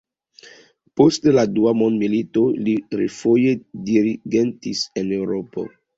Post la dua mondmilito, li refoje dirigentis en Eŭropo.